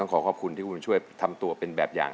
ขอขอบคุณที่คุณบุญช่วยทำตัวเป็นแบบอย่าง